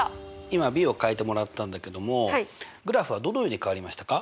今ｂを変えてもらったんだけどもグラフはどのように変わりましたか？